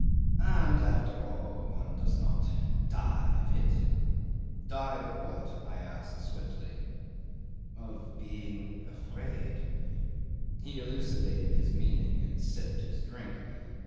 "And after all, one does not die of it." "Die of what?" I asked swiftly. "Of being afraid." He elucidated his meaning and sipped his drink.